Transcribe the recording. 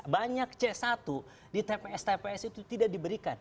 banyak c satu di tps tps itu tidak diberikan